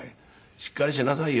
「しっかりしなさいよ。